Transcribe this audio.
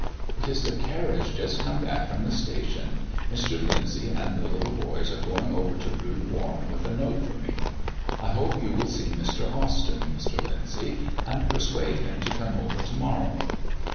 "It is the carriage just come back from the station. Mr. Lyndsay and the little boys are going over to Rood Warren with a note for me. I hope you will see Mr. Austyn, Mr. Lyndsay, and persuade him to come over to morrow."